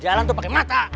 jalan tuh pake mata